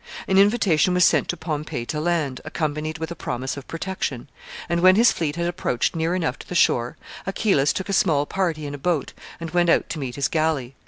An invitation was sent to Pompey to land, accompanied with a promise of protection; and, when his fleet had approached near enough to the shore, Achillas took a small party in a boat, and went out to meet his galley.